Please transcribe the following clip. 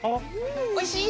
おいしい？